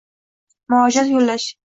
Murojaat yo‘llash